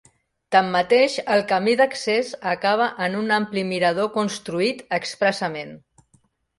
Tanmateix, el camí d'accés acaba en un ampli mirador construït expressament.